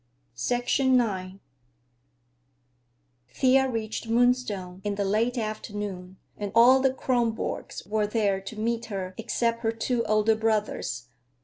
IX Thea reached Moonstone in the late afternoon, and all the Kronborgs were there to meet her except her two older brothers.